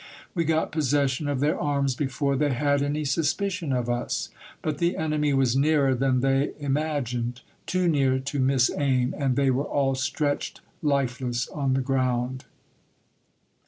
We got possession of their arms before they had any suspicion of us. But the enemy was nearer than they imagined : too near to miss aim, and they were all stretched lifeless on the ground.